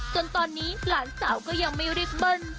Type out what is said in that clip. จนตอนนี้หลานสาวก็ยังไม่รีบเบิ้ล